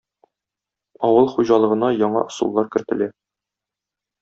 Авыл хуҗалыгына яңа ысуллар кертелә.